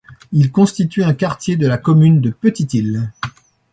Il constitue un quartier de la commune de Petite-Île.